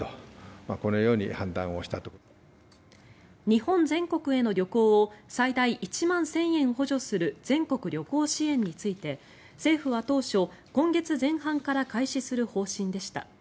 日本全国への旅行を最大１万１０００円補助する全国旅行支援について政府は当初、今月前半から開始する方針でした。